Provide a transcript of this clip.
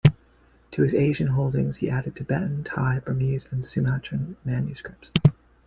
To his Asian holdings he added Tibetan, Thai, Burmese and Sumatran manuscripts.